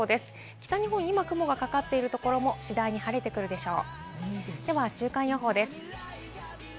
北日本、今、雲がかかっている所も次第に晴れてくるでしょう。